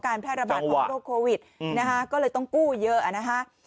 การแพร่ระบาดโรคโควิดนะฮะก็เลยต้องกู้เยอะ